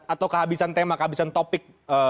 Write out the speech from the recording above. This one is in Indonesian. atau kehabisan tema kehabisan topik